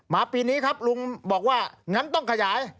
ปีนี้ครับลุงบอกว่างั้นต้องขยาย